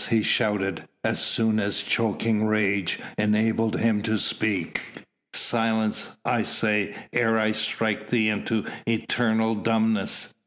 he shouted, as soon as choking rage enabled him to speak. "Silence, I say! ere I strike thee into eternal dumbness.